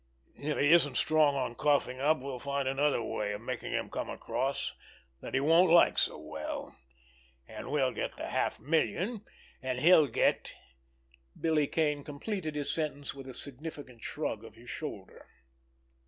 If he isn't strong on coughing up, we'll find another way of making him come across that he won't like so well, and we'll get the half million, and he'll get——" Billy Kane completed his sentence with a significant shrug of his shoulder.